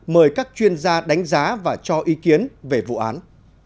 mời các chuyên gia đánh giá và cho ý kiến về vụ án